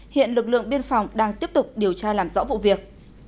hiện lực lượng biên phòng đang tiếp tục điều tra làm rõ vụ việc